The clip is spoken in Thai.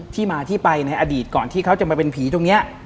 ที่มาที่ไปในอดีตก่อนที่เขาจะมาเป็นผีตรงนี้